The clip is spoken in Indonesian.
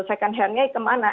second handnya kemana